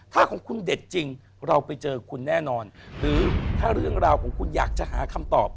ถ้าของคุณเด็ดจริงเราไปเจอคุณแน่นอนหรือถ้าเรื่องราวของคุณอยากจะหาคำตอบ